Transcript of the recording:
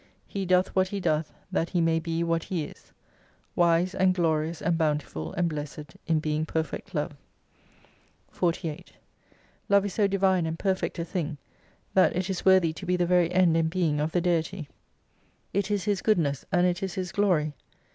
He doth what He doth, that He may be what He is: Wise and glorious and bountiful and blessed in being Perfect Love. 48 Love is so divine and perfect a thing, that it is worthy to be the very end and being of the Deity. It is 114 His goodness, and it is His glory.